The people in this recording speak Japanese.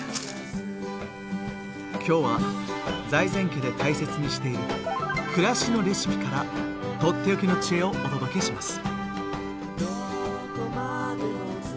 今日は財前家で大切にしている「暮らしのレシピ」からとっておきの知恵をお届けします。